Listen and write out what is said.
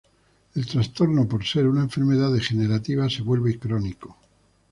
El trastorno por ser una enfermedad degenerativa se vuelve crónico.